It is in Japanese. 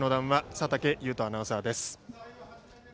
佐竹祐人アナウンサーです。